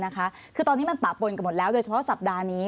คือตอนนี้มันปะปนกันหมดแล้วโดยเฉพาะสัปดาห์นี้